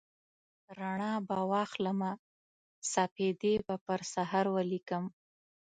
رڼا به واخلمه سپیدې به پر سحر ولیکم